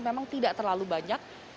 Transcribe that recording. memang tidak terlalu banyak